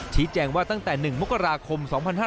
ชี้แจงว่าตั้งแต่๑มกราคม๒๕๕๙